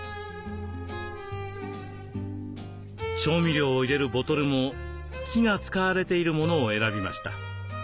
調味料を入れるボトルも木が使われているものを選びました。